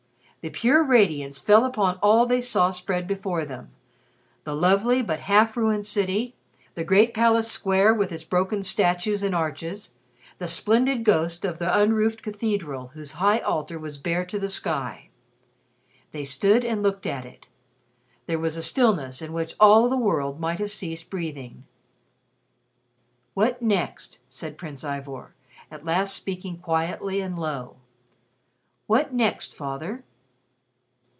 The pure radiance fell upon all they saw spread before them the lovely but half ruined city, the great palace square with its broken statues and arches, the splendid ghost of the unroofed cathedral whose High Altar was bare to the sky. They stood and looked at it. There was a stillness in which all the world might have ceased breathing. "What next?" said Prince Ivor, at last speaking quietly and low. "What next, Father?"